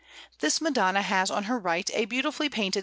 This Madonna has on her right a beautifully painted S.